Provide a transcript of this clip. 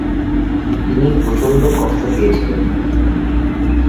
তিনি প্রচন্ড কষ্ট পেয়েছিলেন।